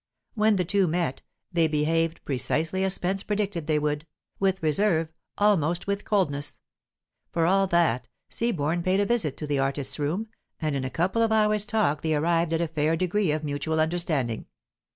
When the two met, they behaved precisely as Spence predicted they would with reserve, almost with coldness. For all that, Seaborne paid a visit to the artist's room, and in a couple of hours' talk they arrived at a fair degree of mutual understanding.